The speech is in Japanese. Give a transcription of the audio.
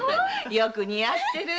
よく似合ってる。